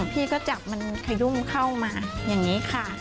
พี่ก็จับมันขยุ่มเข้ามาอย่างนี้ค่ะ